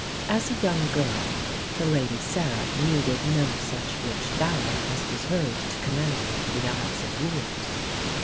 As a young girl the Lady Sarah needed no such rich dower as was hers to commend her to the eyes of wooers.